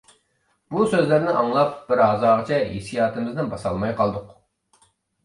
بۇ سۆزلەرنى ئاڭلاپ، بىر ھازاغىچە ھېسسىياتىمىزنى باسالماي قالدۇق.